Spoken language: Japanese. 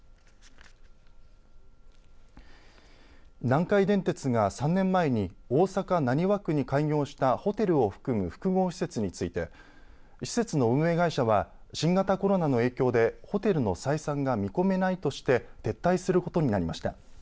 南海電鉄が３年前に大阪、浪速区に開業したホテルを含む複合施設について施設の運営会社は新型コロナの影響でホテルの採算が見込めないとして撤退することになりました。